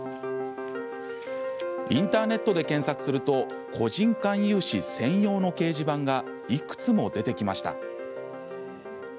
インターネットで検索すると個人間融資専用の掲示板がいくつも出てきました。